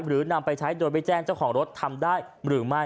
นำไปใช้โดยไม่แจ้งเจ้าของรถทำได้หรือไม่